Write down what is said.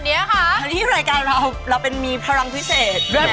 ในที่รายการเราเราเป็นมีพอรังพิเศษ